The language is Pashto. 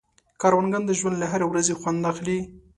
کروندګر د ژوند له هرې ورځې خوند اخلي